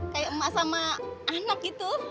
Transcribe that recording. kayak emak sama anak gitu